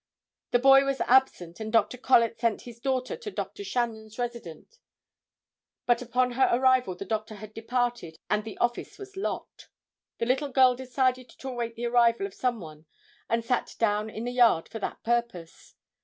The boy was absent, and Dr. Collet sent his daughter to Dr. Chagnon's residence, but upon her arrival the doctor had departed and the office was locked. The little girl decided to await the arrival of some one and sat down in the yard for that purpose.